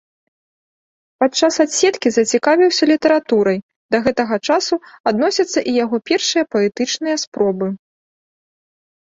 Падчас адседкі зацікавіўся літаратурай, да гэтага часу адносяцца і яго першыя паэтычныя спробы.